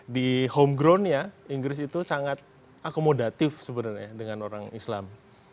di home groundnya inggris itu sangat akomodatif sebenarnya dengan orang islam